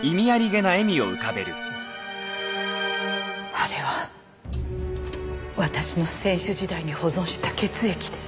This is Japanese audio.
あれは私の選手時代に保存した血液です。